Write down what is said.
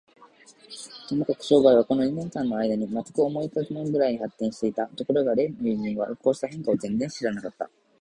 ともかく商売は、この二年間のあいだに、まったく思いもかけぬくらいに発展していた。ところが例の友人は、こうした変化を全然知らなかった。